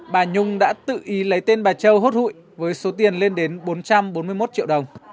bà nhung đã tự ý lấy tên bà châu hốt hụi với số tiền lên đến bốn trăm bốn mươi một triệu đồng